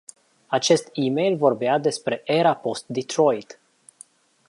Acest email vorbea despre "era post-Detroit”.